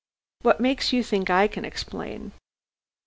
"What makes you think I can explain?"